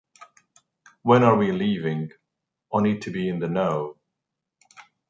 When are we leaving? I need to be in the know!